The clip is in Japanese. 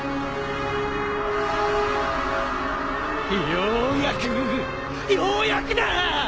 ようやくようやくだ！